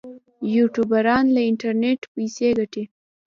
یوټیوبران له انټرنیټ پیسې ګټي